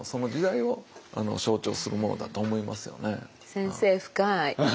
先生深い。